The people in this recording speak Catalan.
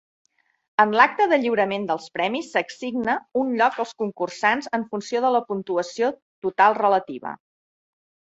En l'acte de lliurament dels premis, s'assigna un lloc als concursants en funció de la puntuació total relativa.